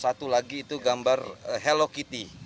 satu lagi itu gambar hello kitty